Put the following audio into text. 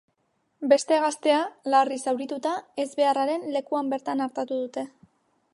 Beste gaztea, larri zaurituta, ezbeharraren lekuan bertan artatu dute.